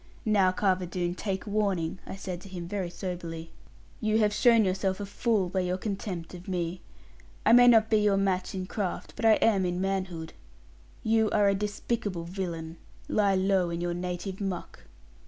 'Now, Carver Doone, take warning,' I said to him, very soberly; 'you have shown yourself a fool by your contempt of me. I may not be your match in craft; but I am in manhood. You are a despicable villain. Lie low in your native muck.'